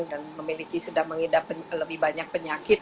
dan memiliki sudah menghidap lebih banyak penyakit